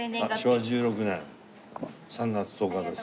昭和１６年３月１０日です。